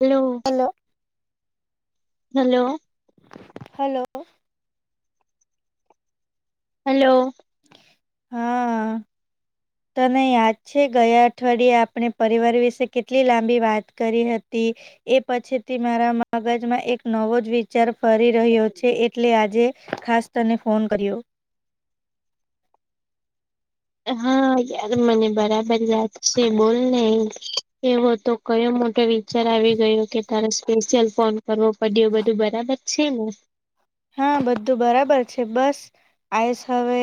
Hello hello. Hello. Hello. હા. તને યાદ છે, ગયા અઠવાડિયે આપણે પરિવાર વિશે કેટલી લાંબી વાત કરી હતી. એ પછીથી મારા મગજમાં એક નવો જ વિ વિચાર ફરી રહ્યો છે, એટલે આજે ખાસ તને ફોન કર્યો. હા યાર મને બરાબર યાદ છે, બોલને. એવો તો કયો મોટો વિચાર આવી ગયો કે [unintelligible] સ્પેશિયલ ફોન કરવો. [unintelligible] બધું બરાબર છે, ને. હા બધું બરાબર છે બસ આયસ હવે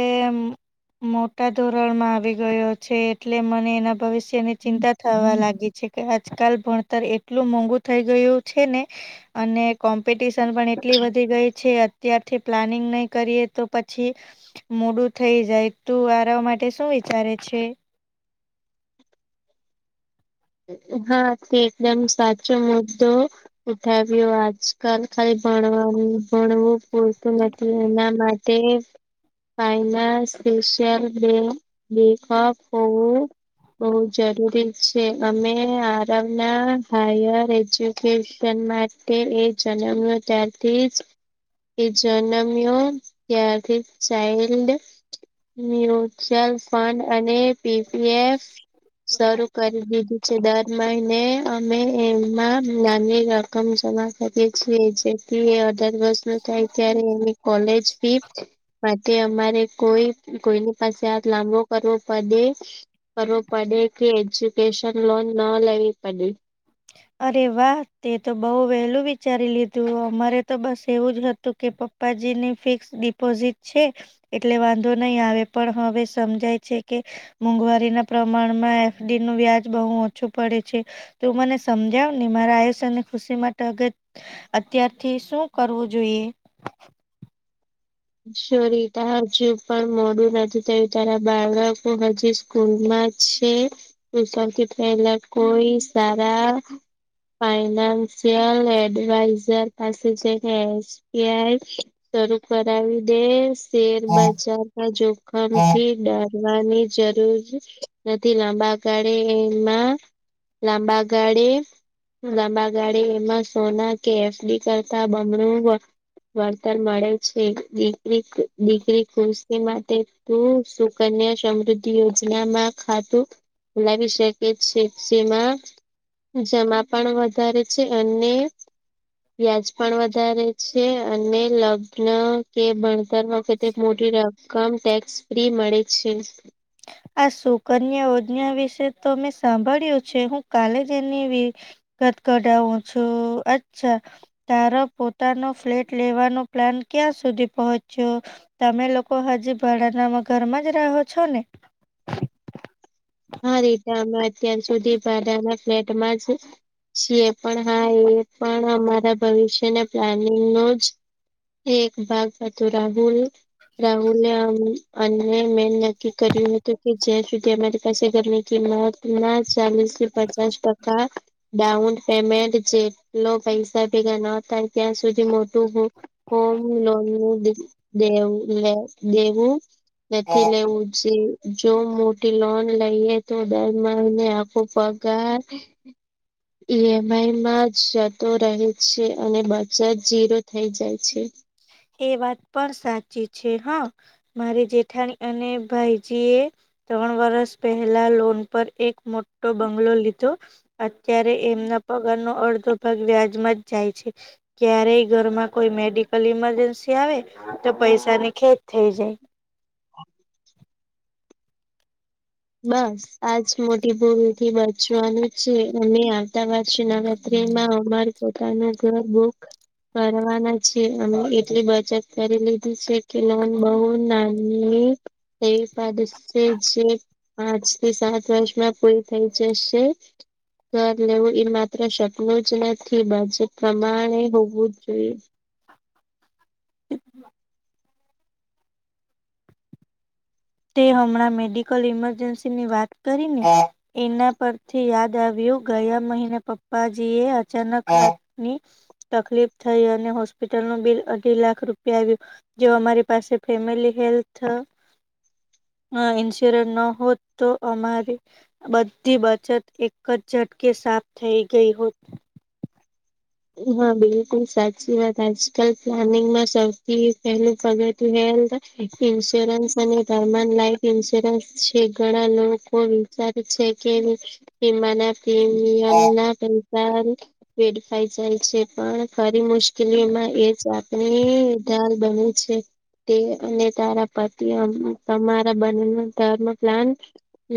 મોટા ધોરણમાં આવી ગયો છે એટલે મને એના ભવિષ્ય તેને ચિંતા થવા લાગી છે કે આજકાલ ભણતર એટલું મોંઘુ થઈ ગયું છે ને અને કોમ્પિટિશન પણ એટલી વધી ગઈ. છે અત્યારથી પ્લાનિંગ નહી કરીએ તો પછી મોડું થઈ જાય તું આરા માટે શું વિચારે છે હા તે એકદમ સાચો મુદ્દો ઉઠાવ્યો આજકાલ ખાલી ભણવાની ભણવું પૂરતું નથી એના માટે તે ફાઈનાસ સ્પેશલ બેક બેકઅપ બઉ જરૂરી છે. અમે આરામના હાયર એજ્યુકેશનમાં તે એ જન્મ યો તારથી જ એ જન્મ્યો ત્યારથી ચાઇલ્ડ મ્યુચ્યુઅલ ફંડ અને પીપીએફ સ્વરૂપ કરી દીધું છે દર મહિને અમે એમાં નાની રકમ જમા કરી જે અડાર વર્ષ ન થાય ત્યારે એની કોલેજ ફી માટે અમારે કોઈ કોઈની પાસે આ લાંબો કરવો પડે કરવો પડે કે એજ્યુકેશન લોન ન લેવી પડે. અરે વાહ તે તો બહુ વહેલું વિચારી લીધું અમારે તો બસ એવું જ હતું કે પપ્પ જી ની ફિક્સ ડિપોઝિટ છે. એટલે વાંધો નહીં આવે પણ હવે સમજાય છે કે મોંઘવારી ના પ્રમાણમાં એફડી નું વ્યાજ બહુ ઓછું પડે છે. તો મને સમજાવ ને મારા આયુસ અને ખુશી માટે અગત્ય અત્યારથી શું કરવું જોઈએ? સોરી ત હજુ પણ મોડું નથી તેયું તારા બાળકો હજી સ્કૂલમાં છે સૌથી પહેલા કોઈ સારા ફાઈનાન્શિયલ એડવાઈઝર પાસે જઈને ત્યાય શરૂ કરાવી દે શેર બજાર ના જોખમ થી ડરવાની જરૂર નથી લાંબા ગાળે એમાં લાંબા ગાળે લાંબા ગાળે એમાં સોના કે એફડી કરતા બમણું વળતર વળતર મળે છે. દીકરી દીકરી ખુશી માટે સુ સુકન્યા સમૃદ્ધિ યોજનામાં ખાતું લવી શકે છે જેમાં જમા પણ વધારે છે અને વ્યાજ પણ વધારે છે અને લગ કે ભણતર વખતે મોટી રકમ ટેક્સ ફ્રી મળે છે. આ સુકન્યા યોજના વિશે તો મેં સાંભળ્યું છે હું કાલે જ એની વિ ગત કઢાવુ છું અચ્છા, તારા પોતાનો ફ્લેટ લેવાનો પ્લાન ક્યાં સુધી પહોંચ્યો? તમે લોકો હજી ભડાના ઘરમાં જ રહો છો ને? હા રીટા અમે અત્યાર સુધી ભડાના ફ્લેટમાં જ છીએ પણ હા એ પણ અમારા ભવિષ્યના પ્લાનિંગ નો જ એક ભાગ હતો રાહુલ રાહુલે અને મે કર્યું હતું કે જ્યાં સુધી અમારી પાસે ઘરની કિંમત ના ચાલી થી પંચાસ ટકા ડાઉન પેમેન્ટ જેટલો પૈસા ભેગા ન થાય ત્યાં સુધી મોટું હોમ લોન નું દેવું લ દેવું નથી લેવું છે જો મોટી લોન લઈએ તો દર મહને આખો પગાર [inaudible] ઈ એમ આઈ માજ જતો રહે છે, અને બચત ઝીરો થઇ જાય છે. એ વાત પણ સાચી છે હા મારી જેઠાણી અને ભાઈજી એ ત્રણ વર્ષ પહેલા લોન પર એક મોટો બંગલો લીધો. અત્યારે એમના પગાર નો અડધો વ્યાજમાં જ જાય છે, ક્યારેય ઘરમાં કોઈ મેડિકલ ઇમ જન્સી આવે તો પૈસા ની ખેત થઈ જાય. બસ આજ મોટી ભૂલ થી બચવાનું છે, અમે આવતા વર્ષ નવરાત્રીમાં અમાર પોતાના ઘર બુક કરવાના છે, અમે એટલી બચત કરી લીધી છે કે લોન બહુ ના હ તે પાદ સેજે પાંચ થી સાત વર્ષમાં પૂરી થઈ જશે. ઘર લેવું એ માત્ર શકનું જ નથી, બજટ પ્રમાણે હોવું જોઈએ. [inaudible] તે હમણાં મેડિકલ ઈમરજન્સી ની વાત કરી ને એના પરથી યાદ આવ્યું ગયા મહિને પપ્પાજી એ અચાનકજ ની તકલીફ થઈ અને હોસ્પિટલ નું બિલ અઢી લાખ રૂપિયા આવ્યું. જે અમારી પાસે ફેમિલી હેલ્થ અ ઇન્સ્યોરન્સ ન હોત તો અમારે બધી બચત એક જ ઝટકે સાફ થઈ ગઈ હોત. હા બિલકુલ સાચી વાત, આજકાલ પ્લાનિંગમાં સૌથી પહેલું પગત [unintelligible] હેલ્થ ઈન્સ્યોરન્સ અને ધરમા લાઈફ ઈન્સ્યોરન્સ છે ઘણા લોકો સારું છે કે એમાના પ્રીમયમના પૈસા હવે વેડ ખાઈ જાય છે, પણ ખરી મુશ્કેલીમાં એજ આપણી ધાલ બને છે. તે અને તારા પતિ તમારા બને ન ધર્મ પ્લાન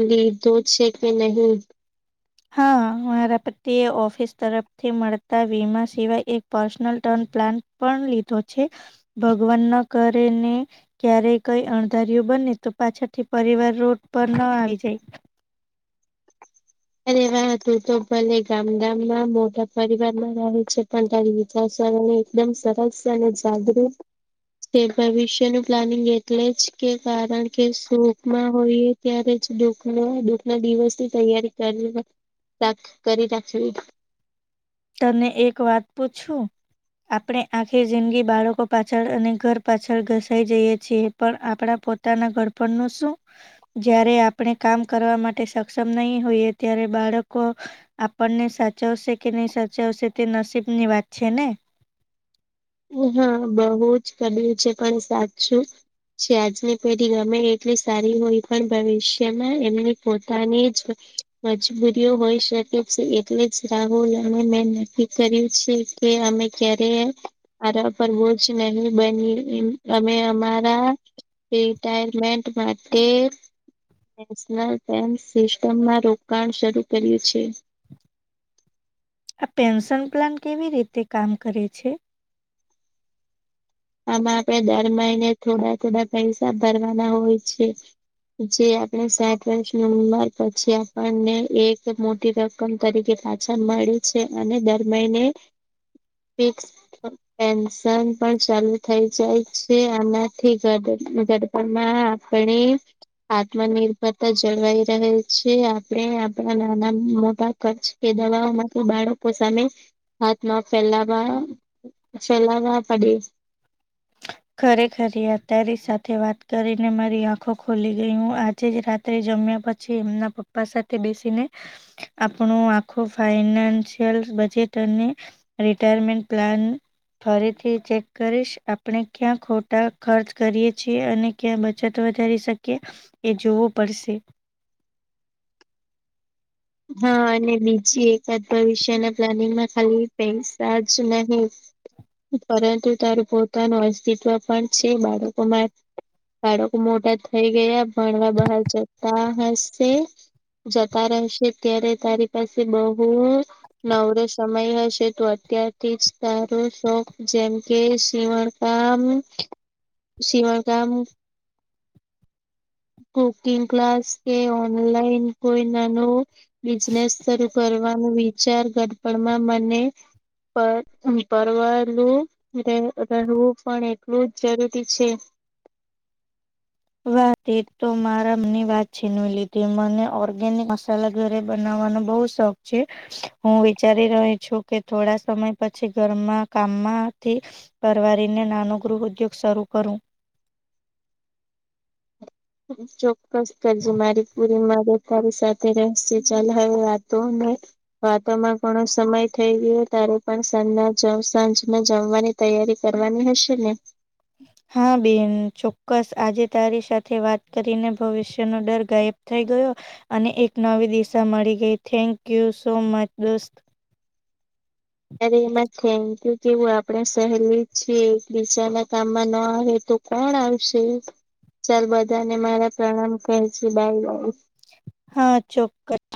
લીધુ શેકે નહીં? હા મારા પતિ એ ઓફિસ તરફથી મળતા વીમા સિવાય એક પર્સનલ ટર્ન પ્લાન પણ લીધો છે, ભગવાન ના કરેને ક્યારેય કઈ અણધારીયુ બને તો પાછળથી પરિવાર રોડ પર ન આવી જાય. અરે વા તું તો ભલે ગામ ગામમાં મોટા પરિવારમાં રહે છે પણ તારી સરોહી એકદમ સરસ અને જાગૃત તે ભવિષ્ય નુ પ્લાનિંગ એટલે જ કે કારણ કે સુખમાં હોઈએ ત્યારે જ દુખ દુઃખ ના દિવસ ની તૈયારી કરી રાખ કરી રાખવી. તને એક વાત પૂછું? આપણે આખી જિંદગી બાળકો પાછળ અને ઘર પાછળ ઘસાઈ જઈએ છીએ પણ આપણા પો તાના ઘડપણ નુ શું? જયારે આપણે કામ કરવા માટે સક્ષમ નહી હોઈએ ત્યારે બાળકો આપણને સાચવશે કે નહીં સાચવશે તે નસીબની વાત છે ને. હા બહુજ કબિર છે પણ સાચું છે આજની પેઢી ગમે એટલી સારી હોય પણ ભવિષ્યમાં એમની પોતાનીજ મજબૂરીઓ હોઈ શકે છે, એટલે જ રાહુલ અને મેં નક્કી કર્યું છે. કે અમે ક્યારે આરવ પર બોજ નહિ બનીએ, અમે અમારા રિટાયરમેન્ટ માટે નેશનલ બેન્ક સિસ્ટમમાં રોકાણ શરૂ કર્યું છે. આ પેન્શન પ્લાન કેવી રીતે કામ કરે છે? આમાં આપણેે દર મહિને થોડા થોડા પૈસા ભરવાના હોય છે. જે આપણે શેઠ [unintelligible] પછી આપણને એક મોટી રકમ તરીકે પાછા મળે છે અને દર મહિને [inaudible] ફિક્સ, પેન્શન પણ ચાલુ થઈ જાય છે આનાથી ઘડપણમાં આપણે આત્મનિર્ભરતા જળવાઈ રહે છે આપણે આપણા નાના મોટા ખર્ચ કે દવાઓમાં તો બાળકો સામે હાથમાં ફેલાવા [unintelligible] ખરેખર આ તારી સાથે વાત કરીને મારી આંખો ખોલી ગઈ હું આજે જ રાત જમ્યા પછી એમના પપ્પા સાથે બેસીને આપણું આખું ફાઈનાન્શિયલ બજેટ અને રિટાયરમેન્ટ પ્લાન ફરીથી ચેક કરીશ. આપણે ક્યાં ખોટા ખર્ચ કરીએ છીએ અને ક્યાં બચત વધારી શકીએ એ જોવું પડશે. હા અને બીજી એકાદ ભવિષ્યના પ્લાનિંગમાં ખાલી પૈસા જ નહિ પરંતુ તારું પોતાનું અસ્તિત્વ પણ છે બાળકોમાં બાળકો મોટા થઈ ગયા ભણવા બહાર જતા હશે જતા રહેશે ત્યારે તારી પાસે બહુ નવરો સમય હશે તો અત્યારથી જ તારો શોખ જેમ કે સીવણ કામ સીવણ કામ કુકિંગ ક્લાસ કે ઓનલાઈન કોઈ નાનું બિઝનેસ શરૂ કરવ વિચાર ઘડપણમાં મને પર પરવલું રહેવું પણ એટલું જ જરૂરી છે. વા તો મારા મનની વાત છીનવી લીધી મને ઓર્ગેનિક મસાલા ઘરે બનાવવાનો બઉ શોખ છે. હું વિચારી રહી છું કે થોડા સમય પછી ઘરમાં કામમાંથી પરવારીને નાનો ગૃહ ઉદ્યોગ શરૂ કરું. ચોક્કસ કરજે મારી પુરી મ તારી સાથે રહેશે ચાલ હવે વાતો અમે વાતોમાં ઘણો સમય થઈ ગયો ત્યારે પણ સા સાંજમાં જમવાની તૈયારી કરવાની હશે ને? હા બેન ચોક્કસ આજે તારી સાથે વાત કરીને ભવિષ્ય નનો ડર ગાયબ થઈ ગયો અને એક નવી દિશા મળી ગઈ થેન્ક યુ સો મચ દોસ્ત. અરે એમાં થેન્ક યુ કેવું આપણે સહેલી છીએ એકબીજા ના કામમાં ન આવે તો કોણ આવશે? ચાલ બધાને મારા પ્રણામ કહેજે બાય બાય! હા ચોક્કસ